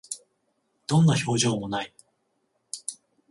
どんな表情も無い